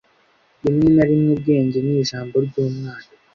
rimwe na rimwe ubwenge ni ijambo ry'umwana